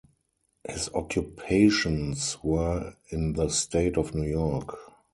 His occupations were in the State of New York.